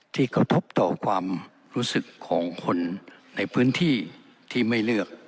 กระทบต่อความรู้สึกของคนในพื้นที่ที่ไม่เลือก